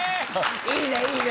いいねいいね！